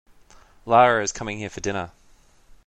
Lara is coming here for dinner.